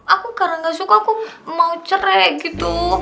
aku karena gak suka aku mau cerek gitu